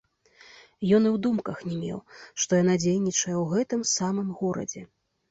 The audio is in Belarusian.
Ён і ў думках не меў, што яна дзейнічае ў гэтым самым горадзе.